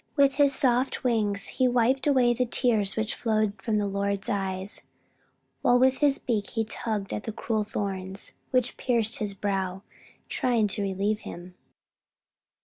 With his soft wings he wiped away the tears which flowed from the Lord's eyes, while with his beak he tugged at the cruel thorns which pierced His brow, trying to relieve Him.